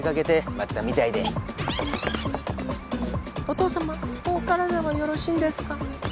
お父様もうお体はよろしいんですか？